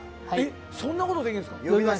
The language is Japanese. そんなことできるんですか。